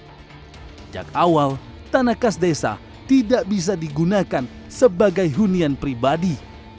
sejak awal tanah kas desa tidak bisa digunakan sebagai hunian pribadi